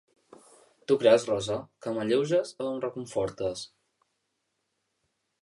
Tu creus, Rosa, que m'alleuges o em reconfortes?